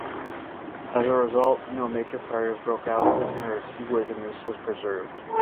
As a result, no major fires broke out and her seaworthiness was preserved.